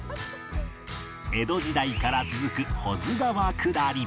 江戸時代から続く保津川下り